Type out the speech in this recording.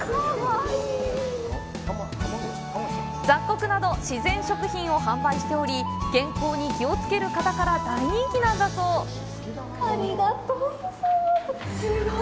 雑穀など、自然食品を販売しており、健康に気をつける方から大人気なんだそう。